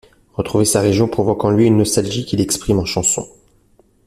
Retrouver sa région provoque en lui une nostalgie qu'il exprime en chansons.